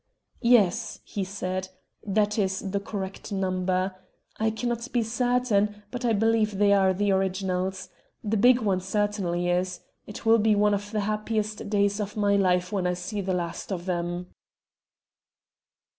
"Yes," he said, "that is the correct number. I cannot be certain, but I believe they are the originals. The big one certainly is. It will be one of the happiest days of my life when I see the last of them."